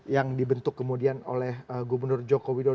yang dibentuk kemudian oleh gubernur basuki cahayapunama